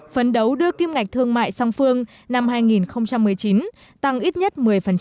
phấn đấu đưa kim ngạch thương mại song phương năm hai nghìn một mươi chín tăng ít nhất một mươi